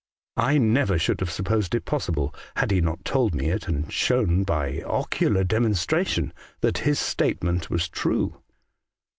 I never should have supposed it possible, had he not told me it, and shown by ocular demonstration that his statement was true.